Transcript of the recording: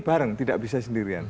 bareng tidak bisa sendirian